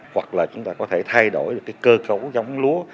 hoặc là chúng ta có thể thay đổi cơ cấu giống lúa